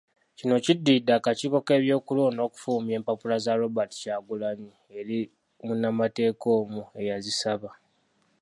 Kino kiddiridde akakiiko k’ebyokulonda okufulumya empapula za Robert Kyagulanyi eri munnamateeka omu eyazisaba.